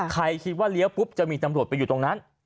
คิดว่าเลี้ยวปุ๊บจะมีตำรวจไปอยู่ตรงนั้น